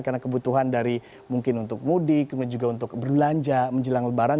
karena kebutuhan dari mungkin untuk mudik kemudian juga untuk berbelanja menjelang lebaran